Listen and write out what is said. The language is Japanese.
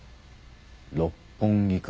六本木か。